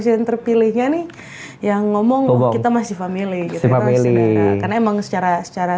yang terpilihnya nih yang ngomong kita masih intelligence emang secara secara